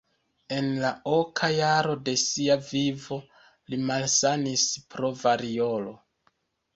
En la oka jaro de sia vivo li malsanis pro variolo.